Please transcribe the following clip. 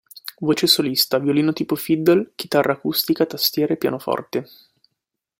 Voce solista, violino tipo fiddle, chitarra acustica, tastiere, pianoforte.